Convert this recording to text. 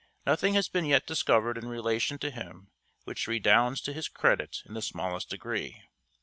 Nothing has yet been discovered in relation to him which redounds to his credit in the smallest degree.